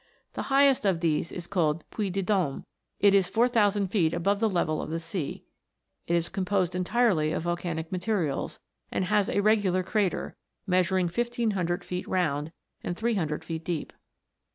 The highest of these is called " Puy de Dome" It is 4000 feet above the level of the sea ; it is composed entirely of vol canic materials, and has a regular crater, measuring fifteen hundred feet round, and three hundred feet deep.